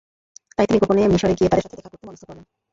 তাই তিনি গোপনে মিসরে গিয়ে তাঁদের সাথে দেখা করতে মনস্থ করলেন।